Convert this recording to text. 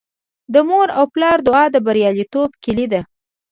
د مور او پلار دعا د بریالیتوب کیلي ده.